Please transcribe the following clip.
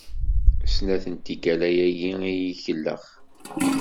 Snat n tikkal ayagi i yi-ikellex.